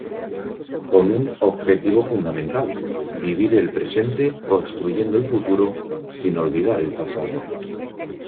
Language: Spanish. Con un objetivo fundamental; vivir el presente, construyendo el futuro, sin olvidar el pasado.